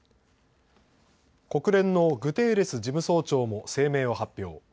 国連のグテーレス事務総長も声明を発表。